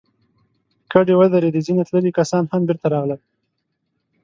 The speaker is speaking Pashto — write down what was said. کډې ودرېدې، ځينې تللي کسان هم بېرته راغلل.